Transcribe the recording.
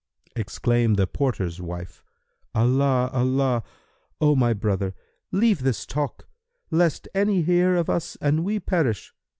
Exclaimed the porter's wife, "Allah! Allah! O my brother, leave this talk, lest any hear of us and we perish.